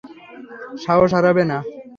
সাহস হারাবে না!